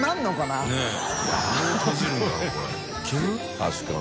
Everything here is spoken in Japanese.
確かに。